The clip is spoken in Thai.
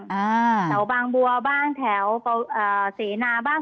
เสาบางบัวบ้างแถวเสนาบ้าง